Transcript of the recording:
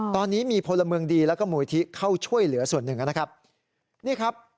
ตอนนี้มีพลเมืองดีแล้วก็มูลที่เข้าช่วยเหลือส่วนหนึ่งนะครับนี่ครับ